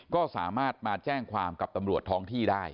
ก็สามารถมาแจ้งความกับตำรวจท้องที่ได้